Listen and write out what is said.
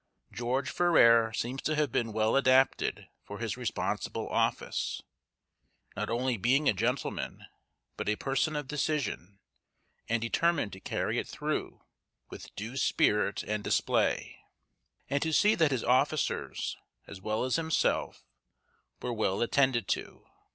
George Ferrers seems to have been well adapted for his responsible office; not only being a gentleman, but a person of decision, and determined to carry it through, with due spirit and display; and to see that his officers, as well as himself, were well attended to.